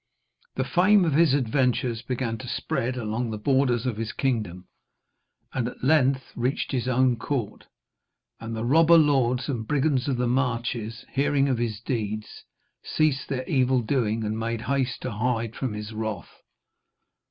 The fame of his adventures began to spread along the borders of his kingdom, and at length reached his own court. And the robber lords and brigands of the marches, hearing of his deeds, ceased their evil doing and made haste to hide from his wrath.